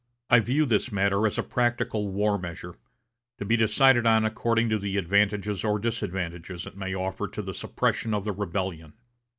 I view this matter as a practical war measure, to be decided on according to the advantages or disadvantages it may offer to the suppression of the rebellion....